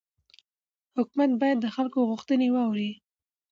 حکومت باید د خلکو غوښتنې واوري